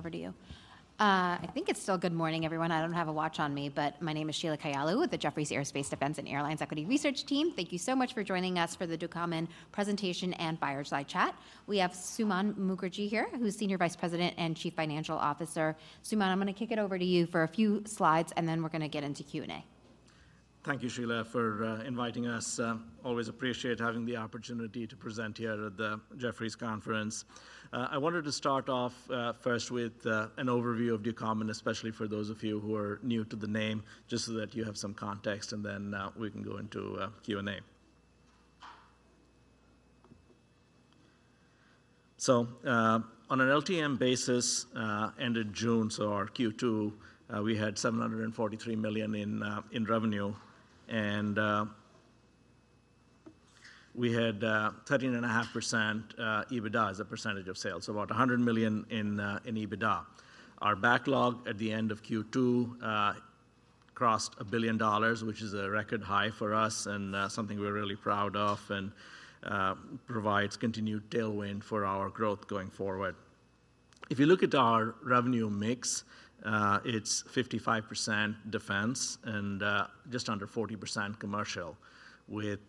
I hand it over to you. I think it's still good morning, everyone. I don't have a watch on me, but my name is Sheila Kahyaoglu with the Jefferies Aerospace Defense and Airlines Equity Research team. Thank you so much for joining us for the Ducommun presentation and fireside chat. We have Suman Mookerji here, who's Senior Vice President and Chief Financial Officer. Suman, I'm gonna kick it over to you for a few slides, and then we're gonna get into Q&A. Thank you, Sheila, for inviting us. Always appreciate having the opportunity to present here at the Jefferies conference. I wanted to start off first with an overview of Ducommun, especially for those of you who are new to the name, just so that you have some context, and then we can go into Q&A. So, on an LTM basis ended June, so our Q2, we had $743 million in revenue, and we had 13.5% EBITDA as a percentage of sales, so about $100 million in EBITDA. Our backlog at the end of Q2 crossed $1 billion, which is a record high for us and something we're really proud of and provides continued tailwind for our growth going forward. If you look at our revenue mix, it's 55% defense and just under 40% commercial, with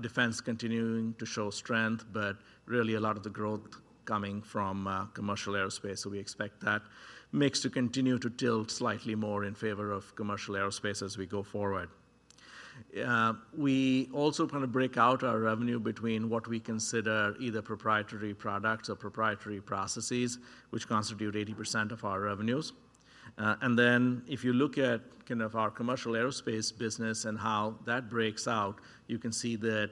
defense continuing to show strength, but really a lot of the growth coming from commercial aerospace, so we expect that mix to continue to tilt slightly more in favor of commercial aerospace as we go forward. We also kinda break out our revenue between what we consider either proprietary products or proprietary processes, which constitute 80% of our revenues. And then if you look at kind of our commercial aerospace business and how that breaks out, you can see that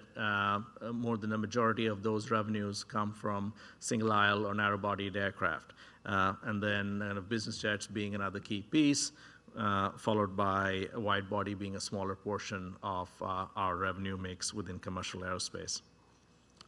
more than a majority of those revenues come from single-aisle or narrow-bodied aircraft, with business jets being another key piece, followed by wide-body being a smaller portion of our revenue mix within commercial aerospace.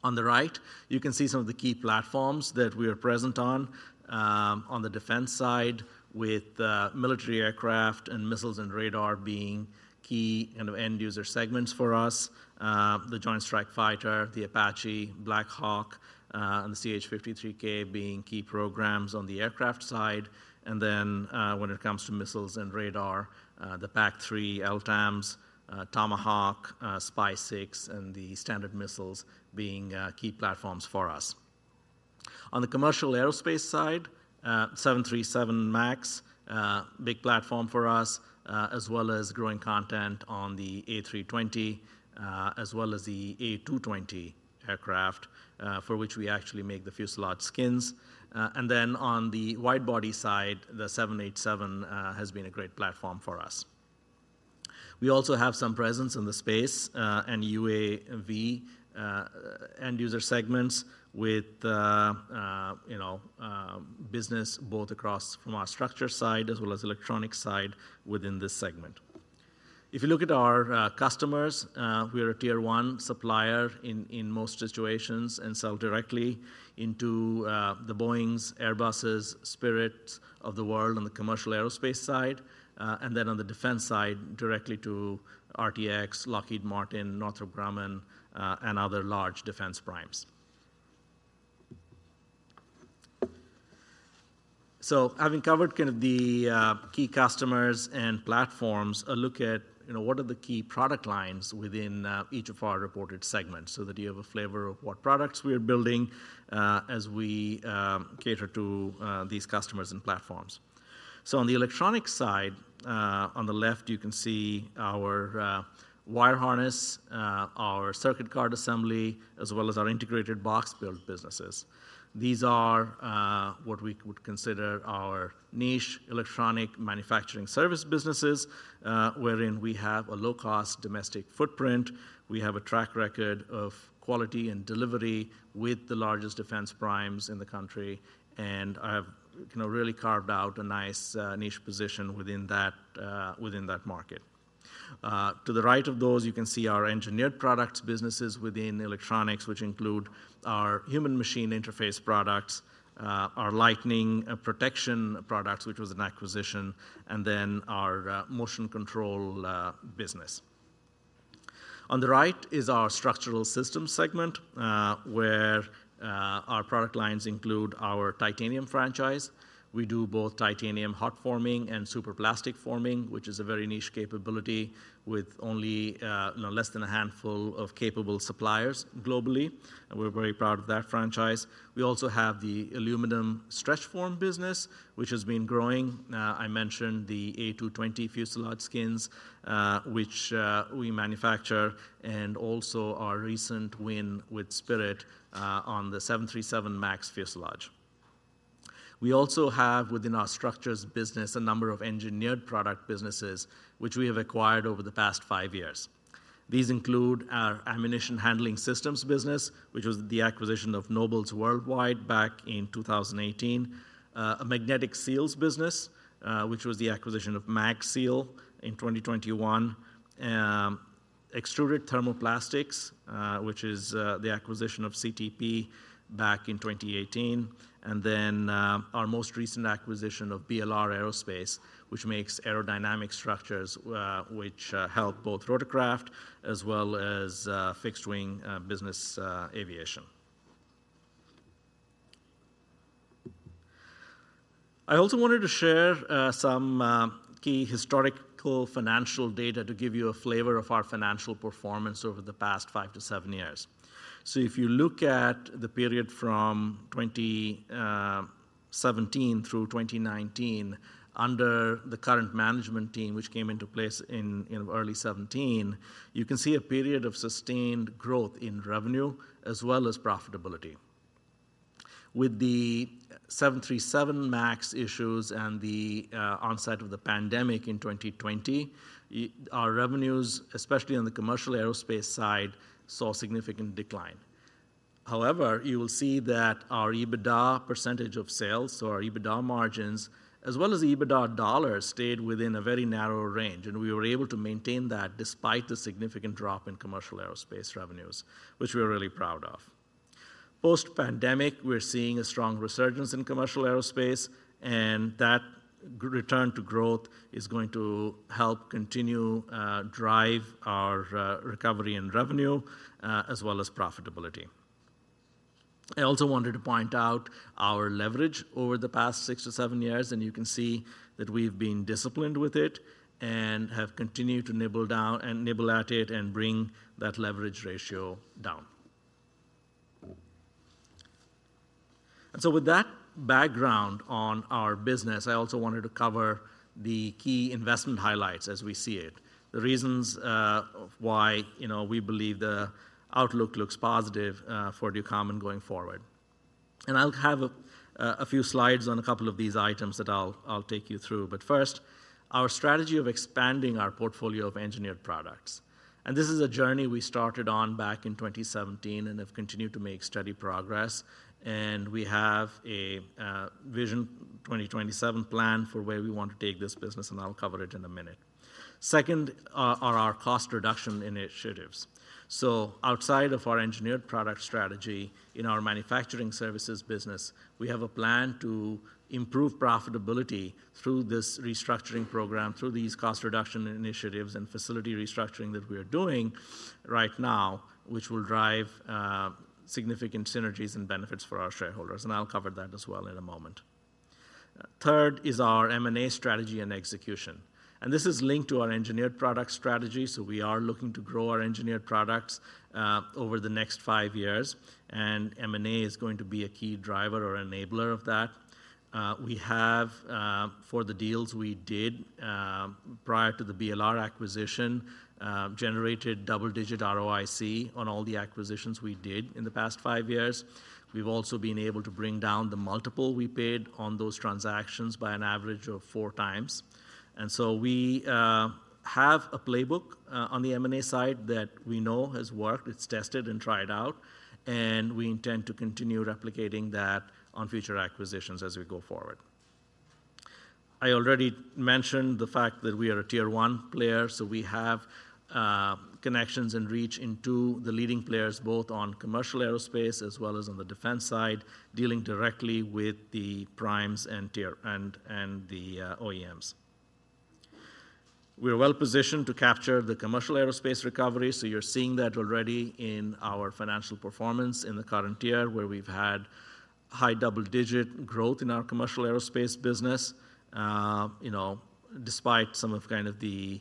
On the right, you can see some of the key platforms that we are present on. On the defense side, with military aircraft and missiles and radar being key end-user segments for us, the Joint Strike Fighter, the Apache, Black Hawk, and the CH-53K being key programs on the aircraft side. And then, when it comes to missiles and radar, the PAC-3, LTAMDS, Tomahawk, SPY-6, and the Standard Missiles being key platforms for us. On the commercial aerospace side, 737 MAX, big platform for us, as well as growing content on the A320, as well as the A220 aircraft, for which we actually make the fuselage skins. And then on the wide-body side, the 787 has been a great platform for us. We also have some presence in the space, and UAV, end-user segments with, you know, business both across from our structure side as well as electronic side within this segment. If you look at our, customers, we are a Tier One supplier in, in most situations and sell directly into, the Boeings, Airbuses, Spirits of the world on the commercial aerospace side. And then on the defense side, directly to RTX, Lockheed Martin, Northrop Grumman, and other large defense primes. So having covered kind of the, key customers and platforms, a look at, you know, what are the key product lines within, each of our reported segments, so that you have a flavor of what products we are building, as we, cater to, these customers and platforms. So on the electronic side, on the left, you can see our wire harness, our circuit card assembly, as well as our integrated box build businesses. These are what we would consider our niche electronic manufacturing service businesses, wherein we have a low-cost domestic footprint. We have a track record of quality and delivery with the largest defense primes in the country, and have, you know, really carved out a nice niche position within that market. To the right of those, you can see our engineered products businesses within electronics, which include our human machine interface products, our lightning protection products, which was an acquisition, and then our motion control business. On the right is our Structural Systems segment, where our product lines include our titanium franchise. We do both titanium hot forming and superplastic forming, which is a very niche capability with only, you know, less than a handful of capable suppliers globally, and we're very proud of that franchise. We also have the aluminum stretch form business, which has been growing. I mentioned the A220 fuselage skins, which we manufacture, and also our recent win with Spirit on the 737 MAX fuselage. We also have, within our structures business, a number of engineered product businesses which we have acquired over the past five years. These include our ammunition handling systems business, which was the acquisition of Nobles Worldwide back in 2018. A magnetic seals business, which was the acquisition of MagSeal in 2021. Extruded thermoplastics, which is the acquisition of CTP back in 2018. And then our most recent acquisition of BLR Aerospace, which makes aerodynamic structures, which help both rotorcraft as well as fixed-wing business aviation. I also wanted to share some key historical financial data to give you a flavor of our financial performance over the past five to seven years. So if you look at the period from 2017 through 2019, under the current management team, which came into place in early 2017, you can see a period of sustained growth in revenue as well as profitability. With the 737 MAX issues and the onset of the pandemic in 2020, our revenues, especially on the commercial aerospace side, saw significant decline. However, you will see that our EBITDA percentage of sales, so our EBITDA margins, as well as EBITDA dollars, stayed within a very narrow range, and we were able to maintain that despite the significant drop in commercial aerospace revenues, which we are really proud of. Post-pandemic, we're seeing a strong resurgence in commercial aerospace, and that return to growth is going to help continue drive our recovery and revenue, as well as profitability. I also wanted to point out our leverage over the past six to sevenyears, and you can see that we've been disciplined with it and have continued to nibble down and nibble at it and bring that leverage ratio down. And so with that background on our business, I also wanted to cover the key investment highlights as we see it, the reasons of why, you know, we believe the outlook looks positive for Ducommun going forward. And I'll have a few slides on a couple of these items that I'll take you through. But first, our strategy of expanding our portfolio of engineered products. And this is a journey we started on back in 2017 and have continued to make steady progress, and we have a Vision 2027 plan for where we want to take this business, and I'll cover it in a minute. Second, are our cost reduction initiatives. So outside of our engineered product strategy, in our manufacturing services business, we have a plan to improve profitability through this restructuring program, through these cost reduction initiatives and facility restructuring that we are doing right now, which will drive significant synergies and benefits for our shareholders, and I'll cover that as well in a moment. Third is our M&A strategy and execution, and this is linked to our engineered product strategy, so we are looking to grow our engineered products over the next five years, and M&A is going to be a key driver or enabler of that. We have for the deals we did prior to the BLR acquisition generated double-digit ROIC on all the acquisitions we did in the past five years. We've also been able to bring down the multiple we paid on those transactions by an average of four times. And so we have a playbook on the M&A side that we know has worked. It's tested and tried out, and we intend to continue replicating that on future acquisitions as we go forward. I already mentioned the fact that we are a Tier One player, so we have connections and reach into the leading players, both on commercial aerospace as well as on the defense side, dealing directly with the primes and Tier Ones and the OEMs. We are well positioned to capture the commercial aerospace recovery, so you're seeing that already in our financial performance in the current year, where we've had high double-digit growth in our commercial aerospace business. You know, despite some of kind of the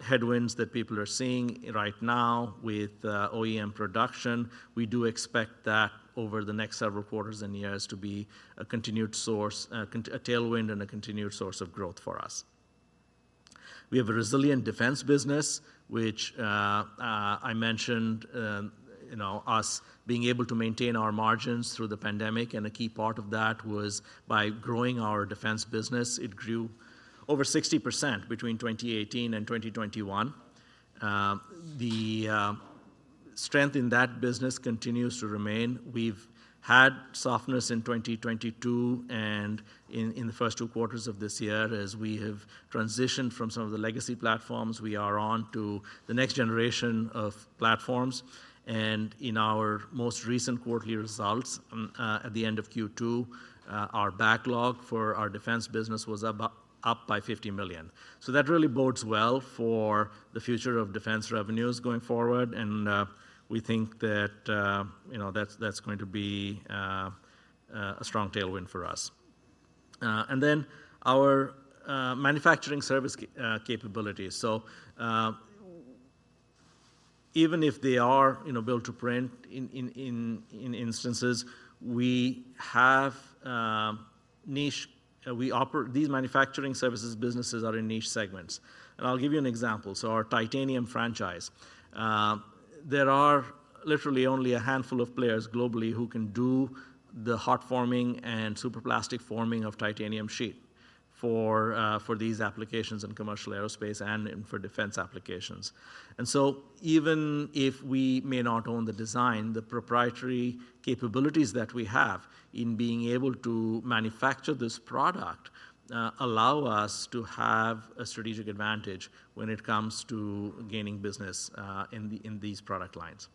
headwinds that people are seeing right now with OEM production, we do expect that over the next several quarters and years to be a continued source a tailwind and a continued source of growth for us. We have a resilient defense business, which I mentioned, you know, us being able to maintain our margins through the pandemic, and a key part of that was by growing our defense business. It grew over 60% between 2018 and 2021. The strength in that business continues to remain. We've had softness in 2022 and in the first two quarters of this year as we have transitioned from some of the legacy platforms. We are on to the next generation of platforms, and in our most recent quarterly results, at the end of Q2, our backlog for our defense business was up by $50 million. So that really bodes well for the future of defense revenues going forward, and we think that, you know, that's going to be a strong tailwind for us. And then our manufacturing service capabilities. So, even if they are, you know, built to print in instances, we have niche. These manufacturing services businesses are in niche segments, and I'll give you an example. So our titanium franchise, there are literally only a handful of players globally who can do the hot forming and superplastic forming of titanium sheet for, for these applications in commercial aerospace and in for defense applications. And so even if we may not own the design, the proprietary capabilities that we have in being able to manufacture this product, allow us to have a strategic advantage when it comes to gaining business, in the, in these product lines.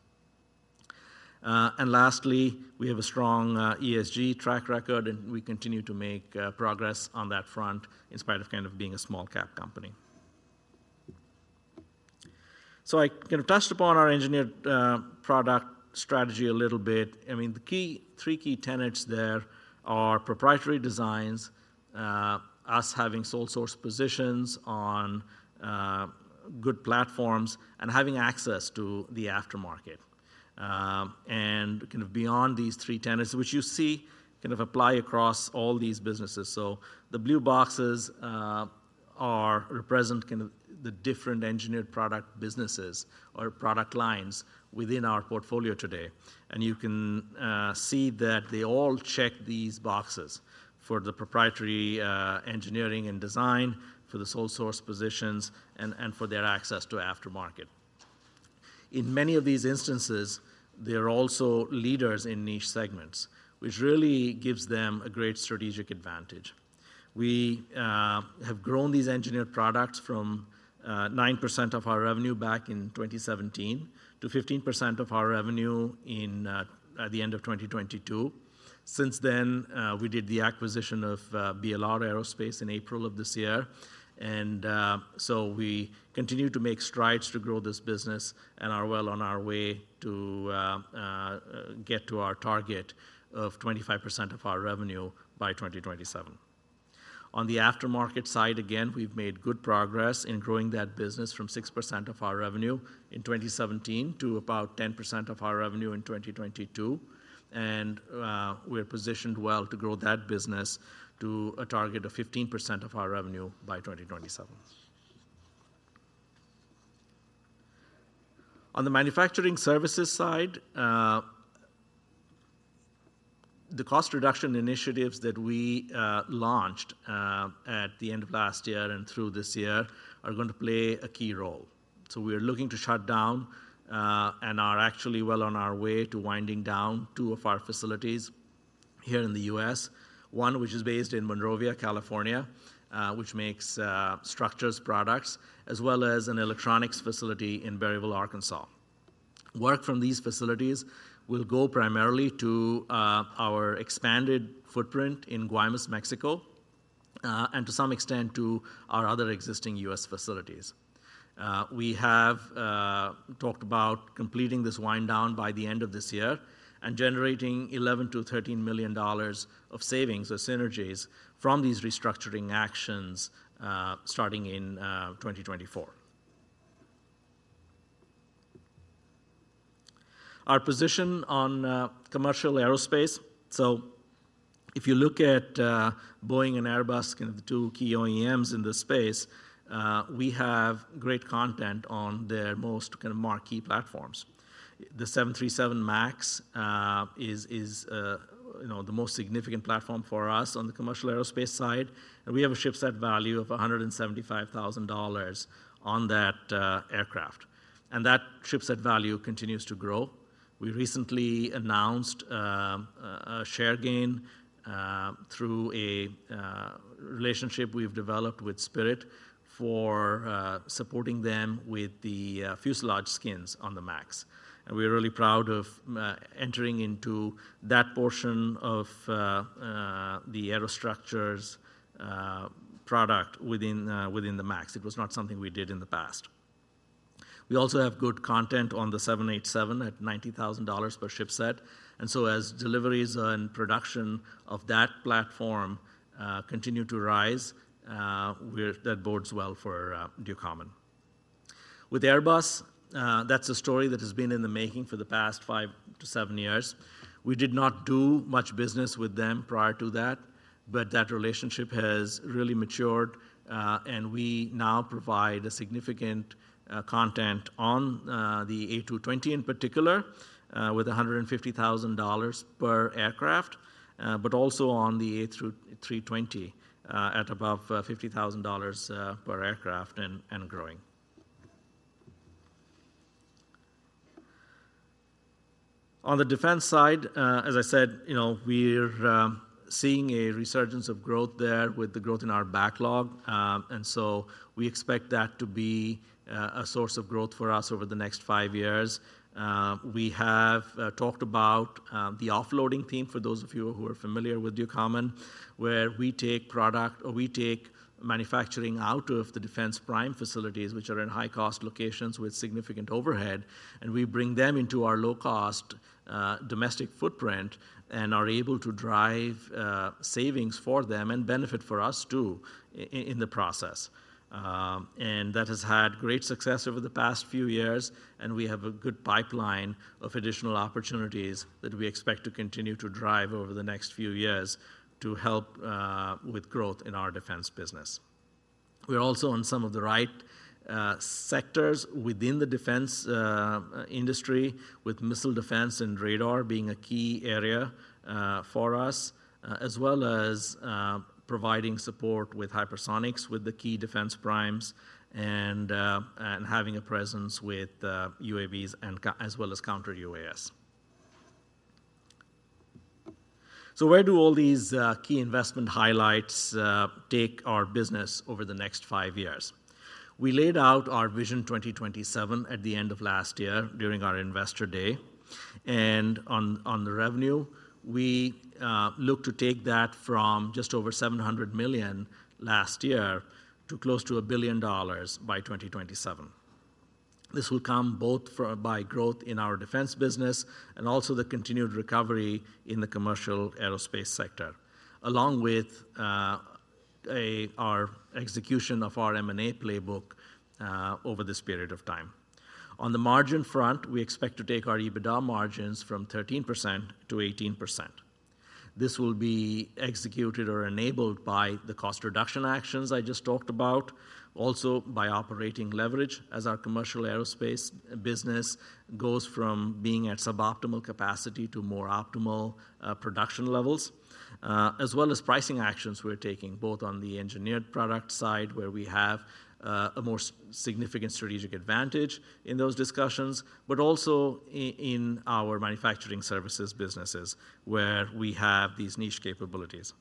And lastly, we have a strong, ESG track record, and we continue to make, progress on that front in spite of kind of being a small cap company. So I kind of touched upon our engineered, product strategy a little bit. I mean, the key three key tenets there are proprietary designs, us having sole source positions on good platforms, and having access to the aftermarket. And kind of beyond these three tenets, which you see kind of apply across all these businesses. So the blue boxes represent kind of the different engineered product businesses or product lines within our portfolio today. And you can see that they all check these boxes for the proprietary engineering and design, for the sole source positions, and for their access to aftermarket. In many of these instances, they are also leaders in niche segments, which really gives them a great strategic advantage. We have grown these engineered products from 9% of our revenue back in 2017 to 15% of our revenue in at the end of 2022. Since then, we did the acquisition of BLR Aerospace in April of this year, and so we continue to make strides to grow this business and are well on our way to get to our target of 25% of our revenue by 2027. On the aftermarket side, again, we've made good progress in growing that business from 6% of our revenue in 2017 to about 10% of our revenue in 2022, and we're positioned well to grow that business to a target of 15% of our revenue by 2027. On the manufacturing services side, the cost reduction initiatives that we launched at the end of last year and through this year are going to play a key role. So we are looking to shut down and are actually well on our way to winding down two of our facilities here in the U.S. One, which is based in Monrovia, California, which makes structures products, as well as an electronics facility in Berryville, Arkansas. Work from these facilities will go primarily to our expanded footprint in Guaymas, Mexico, and to some extent, to our other existing U.S. facilities. We have talked about completing this wind down by the end of this year and generating $11 million-$13 million of savings or synergies from these restructuring actions, starting in 2024. Our position on commercial aerospace. So if you look at Boeing and Airbus, kind of the two key OEMs in this space, we have great content on their most kind of marquee platforms. The 737 MAX, you know, is the most significant platform for us on the commercial aerospace side, and we have a shipset value of $175,000 on that aircraft, and that shipset value continues to grow. We recently announced a share gain through a relationship we've developed with Spirit for supporting them with the fuselage skins on the MAX. And we're really proud of entering into that portion of the aerostructures product within the MAX. It was not something we did in the past. We also have good content on the 787 at $90,000 per shipset, and so as deliveries and production of that platform continue to rise, we're that bodes well for Ducommun. With Airbus, that's a story that has been in the making for the past five to seven years. We did not do much business with them prior to that, but that relationship has really matured, and we now provide a significant, content on, the A220 in particular, with $150,000 per aircraft, but also on the A320, at above $50,000 per aircraft and, and growing. On the defense side, as I said, you know, we're, seeing a resurgence of growth there with the growth in our backlog, and so we expect that to be a, a source of growth for us over the next five years. We have talked about the offloading theme for those of you who are familiar with Ducommun, where we take product or we take manufacturing out of the defense prime facilities, which are in high-cost locations with significant overhead, and we bring them into our low-cost domestic footprint and are able to drive savings for them and benefit for us, too, in the process. And that has had great success over the past few years, and we have a good pipeline of additional opportunities that we expect to continue to drive over the next few years to help with growth in our defense business. We're also on some of the right sectors within the defense industry, with missile defense and radar being a key area for us, as well as providing support with hypersonics, with the key defense primes, and having a presence with UAVs and counter UAS. So where do all these key investment highlights take our business over the next five years? We laid out our vision 2027 at the end of last year during our Investor Day, and on the revenue, we look to take that from just over $700 million last year to close to $1 billion by 2027.... This will come both from growth in our defense business and also the continued recovery in the commercial aerospace sector, along with our execution of our M&A playbook over this period of time. On the margin front, we expect to take our EBITDA margins from 13%-18%. This will be executed or enabled by the cost reduction actions I just talked about, also by operating leverage as our commercial aerospace business goes from being at suboptimal capacity to more optimal production levels, as well as pricing actions we're taking, both on the engineered product side, where we have a more significant strategic advantage in those discussions, but also in our manufacturing services businesses, where we have these niche capabilities.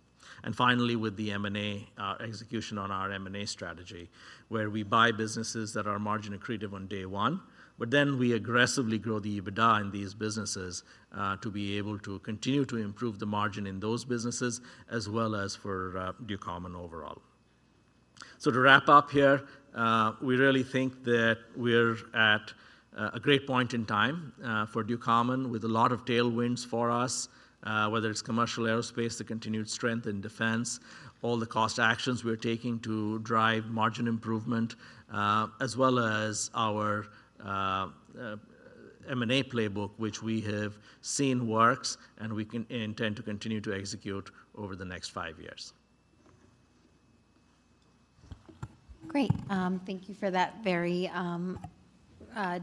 And finally, with the M&A execution on our M&A strategy, where we buy businesses that are margin-accretive on day one, but then we aggressively grow the EBITDA in these businesses to be able to continue to improve the margin in those businesses, as well as for Ducommun overall. So to wrap up here, we really think that we're at a great point in time for Ducommun, with a lot of tailwinds for us, whether it's commercial aerospace, the continued strength in defense, all the cost actions we're taking to drive margin improvement, as well as our M&A playbook, which we have seen works, and we intend to continue to execute over the next five years. Great. Thank you for that very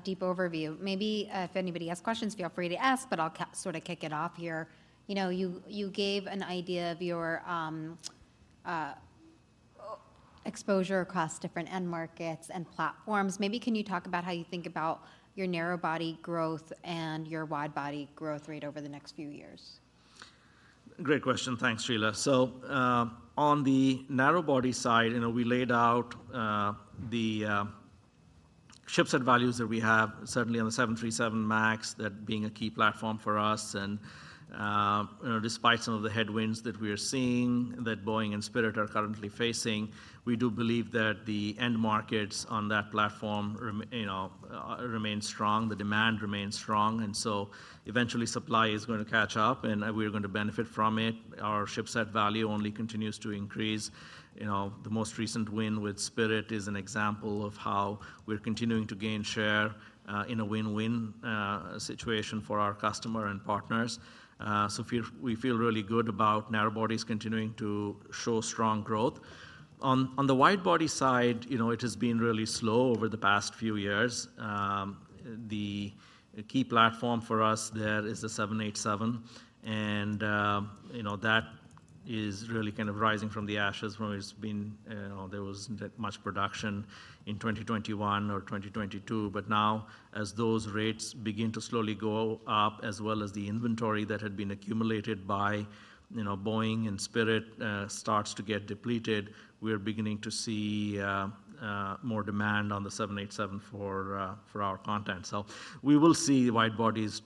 deep overview. Maybe if anybody has questions, feel free to ask, but I'll sort of kick it off here. You know, you gave an idea of your exposure across different end markets and platforms. Maybe can you talk about how you think about your narrowbody growth and your widebody growth rate over the next few years? Great question. Thanks, Sheila. So, on the narrowbody side, you know, we laid out the shipsets and values that we have, certainly on the 737 MAX, that being a key platform for us. And, you know, despite some of the headwinds that we are seeing, that Boeing and Spirit are currently facing, we do believe that the end markets on that platform remain strong, the demand remains strong. And so eventually, supply is going to catch up, and we're going to benefit from it. Our shipset value only continues to increase. You know, the most recent win with Spirit is an example of how we're continuing to gain share in a win-win situation for our customer and partners. So we feel really good about narrowbodies continuing to show strong growth. On the widebody side, you know, it has been really slow over the past few years. The key platform for us there is the 787, and, you know, that is really kind of rising from the ashes. It's been. There wasn't that much production in 2021 or 2022, but now as those rates begin to slowly go up, as well as the inventory that had been accumulated by, you know, Boeing and Spirit, starts to get depleted, we are beginning to see more demand on the 787 for our content. So we will see widebodies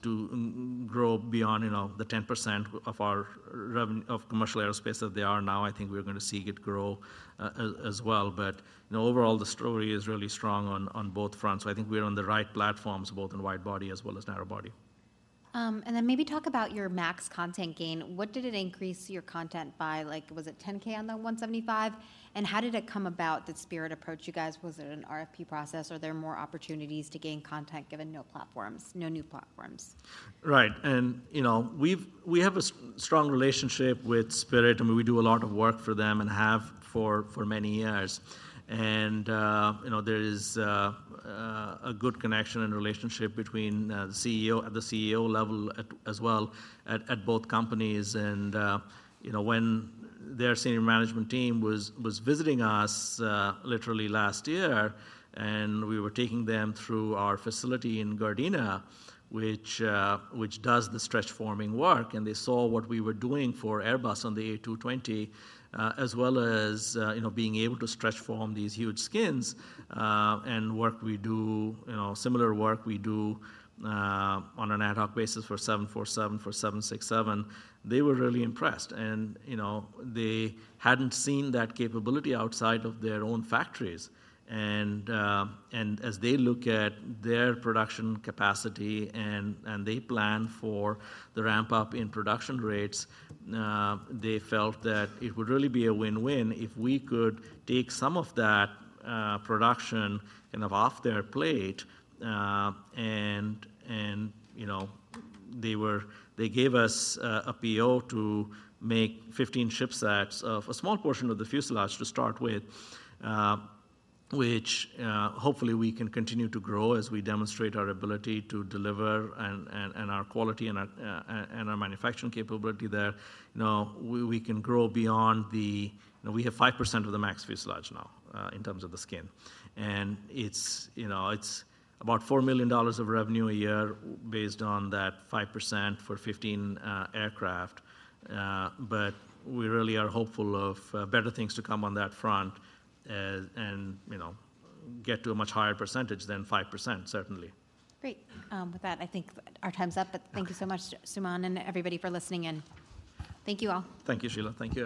grow beyond, you know, the 10% of commercial aerospace that they are now. I think we're going to see it grow, as well. But overall, the story is really strong on, on both fronts, so I think we're on the right platforms, both in widebody as well as narrowbody. And then maybe talk about your MAX content gain. What did it increase your content by, like, was it 10K on the 175? And how did it come about that Spirit approached you guys? Was it an RFP process, or are there more opportunities to gain content, given no platforms, no new platforms? Right. And, you know, we have a strong relationship with Spirit, and we do a lot of work for them and have for many years. And, you know, there is a good connection and relationship between the CEO at the CEO level at as well at both companies. And, you know, when their senior management team was visiting us literally last year, and we were taking them through our facility in Gardena, which does the stretch-forming work, and they saw what we were doing for Airbus on the A220, as well as, you know, being able to stretch form these huge skins, and work we do, you know, similar work we do on an ad hoc basis for 747, for 767, they were really impressed. You know, they hadn't seen that capability outside of their own factories. And as they look at their production capacity and they plan for the ramp up in production rates, they felt that it would really be a win-win if we could take some of that production kind of off their plate. And you know, they gave us a PO to make 15 shipsets of a small portion of the fuselage to start with, which hopefully we can continue to grow as we demonstrate our ability to deliver and our quality and our manufacturing capability there. You know, we can grow beyond the... You know, we have 5% of the MAX fuselage now in terms of the skin. It's, you know, it's about $4 million of revenue a year based on that 5% for 15 aircraft. But we really are hopeful of better things to come on that front, and, you know, get to a much higher percentage than 5%, certainly. Great. With that, I think our time's up, but thank you so much, Suman, and everybody for listening in. Thank you all. Thank you, Sheila. Thank you.